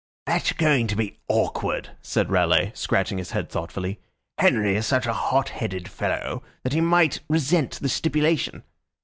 "That's going to be awkward," said Raleigh, scratching his head thoughtfully. "Henry is such a hot headed fellow that he might resent the stipulation."